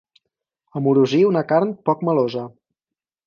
Amorosir una carn poc melosa.